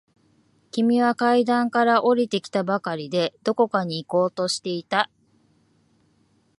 君は階段から下りてきたばかりで、どこかに行こうとしていた。